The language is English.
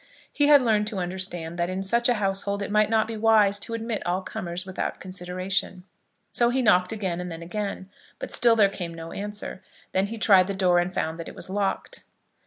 He had learned to understand that in such a household it might not be wise to admit all comers without consideration. So he knocked again, and then again. But still there came no answer. Then he tried the door, and found that it was locked.